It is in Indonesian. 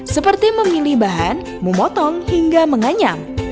seperti memilih bahan memotong hingga menganyam